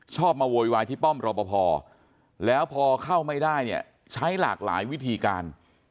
มาโวยวายที่ป้อมรอปภแล้วพอเข้าไม่ได้เนี่ยใช้หลากหลายวิธีการ